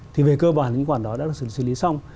thì về cơ bản những khoản đó đã xử lý xong